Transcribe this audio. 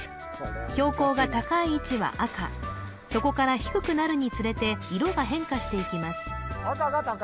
標高が高い位置は赤そこから低くなるにつれて色が変化していきます